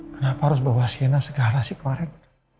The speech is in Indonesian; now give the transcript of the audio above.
kenapa harus bawa sienna segala sih kemarin